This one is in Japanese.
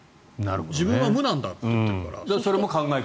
自分は無なんだと言っているから。